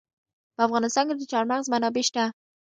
په افغانستان کې د چار مغز منابع شته.